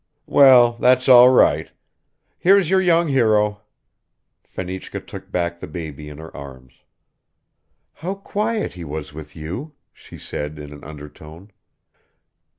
"Well, that's all right. Here's your young hero." Fenichka took back the baby in her arms. "How quiet he was with you," she said in an undertone.